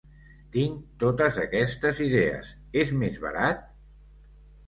Tinc totes aquestes idees, és més barat?